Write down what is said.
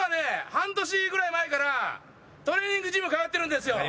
半年ぐらい前からトレーニングジム通ってるんですよ。